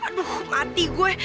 aduh mati gue